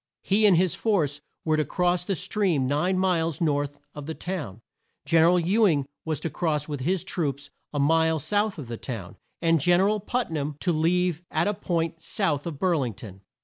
He and his force were to cross the stream nine miles north of the town; Gen er al Ew ing was to cross with his troops a mile south of the town; and Gen er al Put nam to leave at a point south of Bur ling ton.